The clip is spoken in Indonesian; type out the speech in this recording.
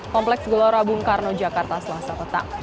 kompleks gelora bung karno jakarta selasa petang